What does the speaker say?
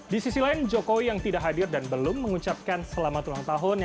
di sisi lain jokowi yang tidak hadir dan belum mengucapkan selamat ulang tahunnya